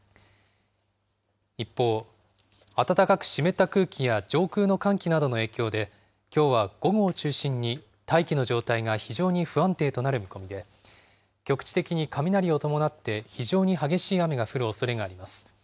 一方、暖かく湿った空気や上空の寒気などの影響で、きょうは午後を中心に大気の状態が非常に不安定となる見込みで、局地的に雷を伴って、非常に激しい雨が降るおそれがあります。